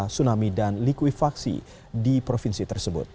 tsunami dan likuifaksi di provinsi tersebut